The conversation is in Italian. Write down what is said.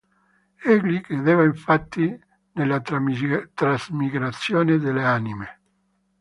Egli credeva infatti nella trasmigrazione delle anime.